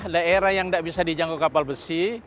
daerah yang tidak bisa dijangkau kapal besi